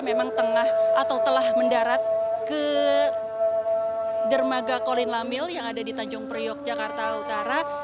memang tengah atau telah mendarat ke dermaga kolin lamil yang ada di tanjung priok jakarta utara